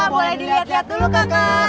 boleh dilihat lihat dulu kakak